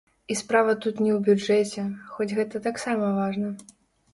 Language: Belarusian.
І справа тут не ў бюджэце, хоць гэта таксама важна.